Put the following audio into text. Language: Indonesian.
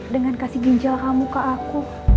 dengan kasih ginjal kamu ke aku